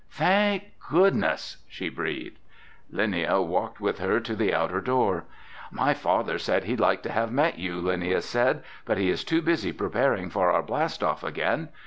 "Thank goodness!" she breathed. Linnia walked with her to the outer door. "My father said he'd like to have met you," Linnia said, "but he is too busy preparing for our blast off again.